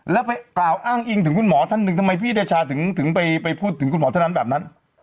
แล้วไปกล่าวอ้างอิงถึงคุณหมอท่านหนึ่งทำไมพี่เดชาถึงไปพูดถึงคุณหมอท่านนั้นแบบนั้น